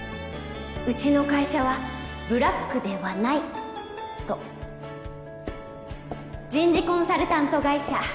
うちの会社はブラックではないと人事コンサルタント会社